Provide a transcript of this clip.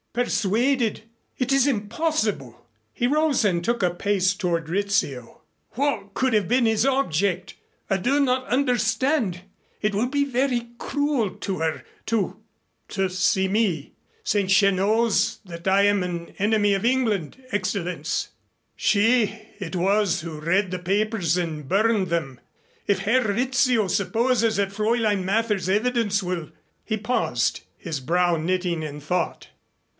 "Persuaded! It is impossible." He rose and took a pace toward Rizzio. "What could have been his object? I do not understand. It will be very cruel for her to to see me since she knows that I am an enemy of England, Excellenz. She it was who read the papers and burned them. If Herr Rizzio supposes that Fräulein Mather's evidence will " He paused, his brow knitting in thought.